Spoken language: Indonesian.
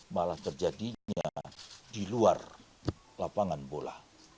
malah terjadinya di luar lapangan bola